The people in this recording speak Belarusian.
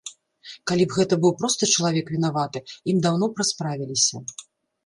Калі б гэта быў просты чалавек вінаваты, ім даўно б расправіліся.